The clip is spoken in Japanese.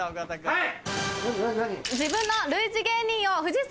はい！